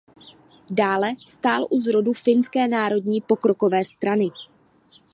Dále stál u zrodu Finské národní pokrokové strany.